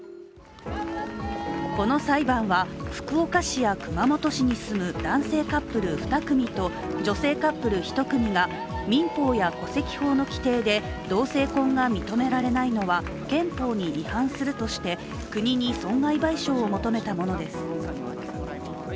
この裁判は、福岡市や熊本市に住む男性カップル２組と女性カップル１組が民法や戸籍法の規定で、同性婚が認められないのは憲法に違反するとして、国に損害賠償を求めたものです。